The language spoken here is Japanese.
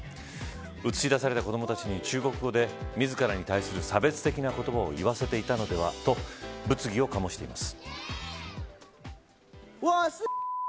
映し出された子どもたちに中国語で、自らに対する差別的な言葉を言わせていたのではと物議を醸しています。